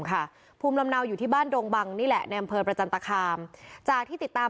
ค่ะภูมิลำเนาอยู่ที่บ้านดงบังนี่แหละในอำเภอประจันตคามจากที่ติดตาม